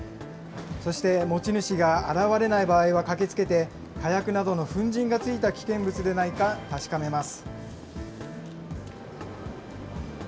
そして、持ち主が現れない場合は駆けつけて、火薬などの粉じんがついた危険物でないか確かめます。